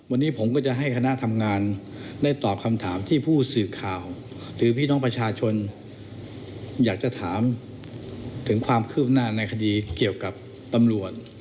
อเรนนี่เจ้าหน้าที่ที่ไปเกี่ยวข้องไม่มีการ